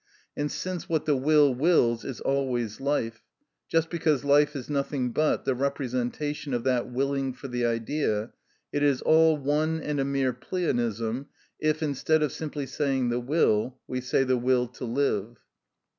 And since what the will wills is always life, just because life is nothing but the representation of that willing for the idea, it is all one and a mere pleonism if, instead of simply saying "the will," we say "the will to live."